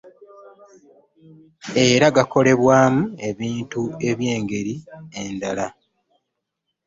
Era gakolebwamu ebintu eby'engeri endala .